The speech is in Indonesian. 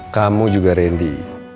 kamu juga randy